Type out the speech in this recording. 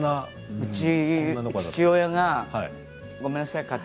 うちの父親がごめんなさい